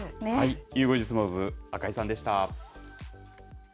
ゆう５時相撲部赤井さんでした。